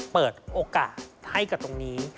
เปิดโอกาสให้กับตรงนี้